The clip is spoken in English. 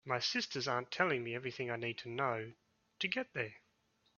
My sisters aren’t telling me everything I need to know to get there.